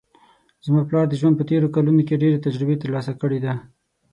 زما پلار د ژوند په تېرو کلونو کې ډېر تجربې ترلاسه کړې ده